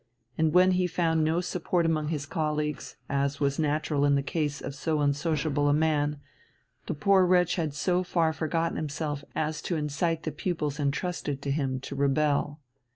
And when he found no support among his colleagues, as was natural in the case of so unsociable a man, the poor wretch had so far forgotten himself as to incite the pupils entrusted to him to rebel.